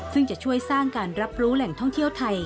ซึ่งจะช่วยสร้างการรับรู้แหล่งท่องเที่ยวไทย